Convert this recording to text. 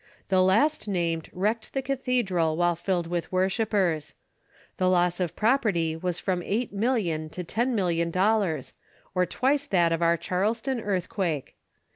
The last named wrecked the cathedral while filled with worshipers. The loss of property was from $8,000,000 to $10,000,000, or twice that of our Charleston earthquake.